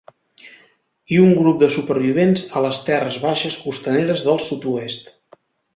I un grup de supervivents a les terres baixes costaneres del sud-oest.